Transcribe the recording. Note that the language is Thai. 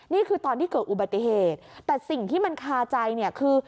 นี่คือตอนที่เกิดอุบัติเหตุแต่สิ่งที่มันคาใจเนี่ยคือ